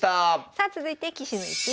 さあ続いて「棋士の逸品」